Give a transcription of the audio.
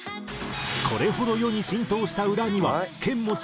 これほど世に浸透した裏にはケンモチ